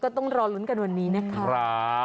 ต้องรอลุ้นกันวันนี้นะคะ